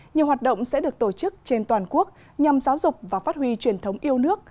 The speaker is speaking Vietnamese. nhiều hoạt động sẽ được tổ chức trên toàn quốc nhằm giáo dục và phát huy truyền thống yêu nước